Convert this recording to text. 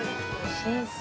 ◆新鮮。